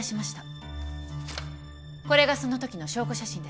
これがそのときの証拠写真です。